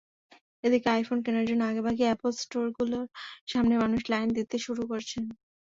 এদিকে, আইফোন কেনার জন্য আগেভাগেই অ্যাপল স্টোরগুলোর সামনে মানুষ লাইন দিতে শুরু করেছেন।